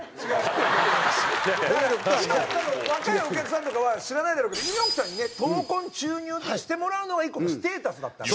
今多分若いお客さんとかは知らないだろうけど猪木さんにね闘魂注入してもらうのが１個のステータスだった。